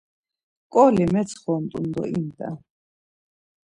Ǩoli metsxont̆un do imt̆en.